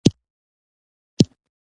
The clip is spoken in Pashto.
د سترګو کمه اړیکه یا بېخي اړیکه نه لري.